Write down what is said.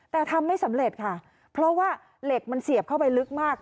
แต่ทำไม่สำเร็จค่ะเพราะว่าเหล็กมันเสียบเข้าไปลึกมาก